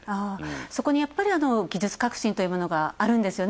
そこに技術革新というものがあるんですよね。